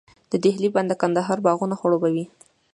د دهلې بند د کندهار باغونه خړوبوي.